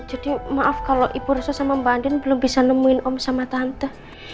jadi maaf kalau ibu rosa sama mbak andin belum bisa nemuin om sama tante